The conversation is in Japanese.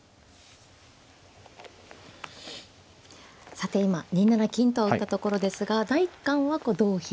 さて今２七金と打ったところですが第一感は同飛車成。